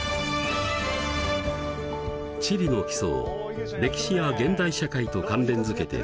地理の基礎を歴史や現代社会と関連づけて総合的に学ぶ